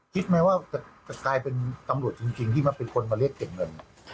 คิดไหมว่าจะกลายเป็นตำรวจจริงที่มาเป็นคนมาเรียกเก็บเงิน